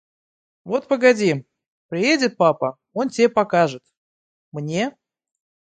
Вот погоди, приедет папа, он тебе покажет! – Мне?